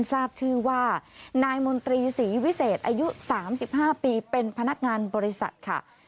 ทราบชื่อว่านายมนตรีศรีวิเศษอายุ๓๕ปีเป็นพนักงานบริษัทค่ะ